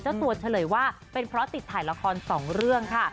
เจ้าตัวเฉลยว่าเป็นเพราะติดถ่ายละครสองเรื่องค่ะ